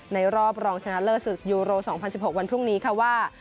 รอบรองชนะเลิศศึกยูโร๒๐๑๖วันพรุ่งนี้ค่ะว่า